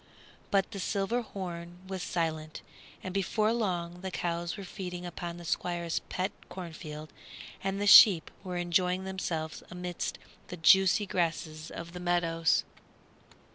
But the silver horn was silent, and before long the cows were feeding upon the Squire's pet cornfield and the sheep were enjoying themselves amidst the juicy grasses of the meadows.